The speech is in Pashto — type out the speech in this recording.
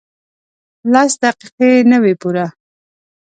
لس دقیقې نه وې پوره.